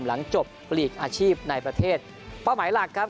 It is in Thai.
หลังจบปลีกอาชีพในประเทศเป้าหมายหลักครับ